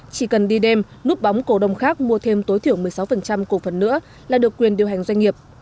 chỉ cần đi đêm núp bóng cổ đông khác mua thêm tối thiểu một mươi sáu cổ phần nữa là được quyền điều hành doanh nghiệp